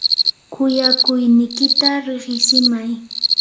kuyakuynikita riqitsimay.